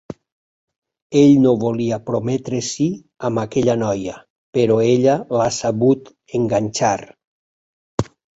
Ell no volia prometre-s'hi, amb aquella noia, però ella l'ha sabut enganxar.